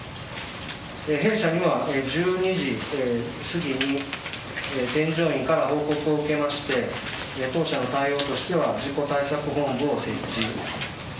弊社には１２時過ぎに添乗員から報告を受けまして当社の対応としては事故対策本部を設置。